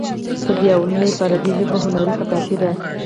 پر دیوالونو یې په عربي ژبه هنري خطاطي ده.